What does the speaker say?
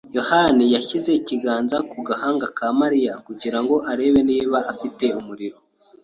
yohani yashyize ikiganza ku gahanga ka Mariya kugira ngo arebe niba afite umuriro.